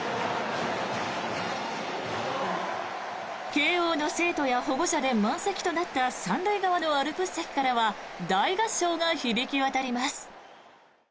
慶応の生徒や保護者で満席となった３塁側のアルプス席からは大合唱が響き渡ります。